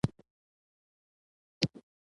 زاهدي نوموړی خپل موټر ته کش کړ.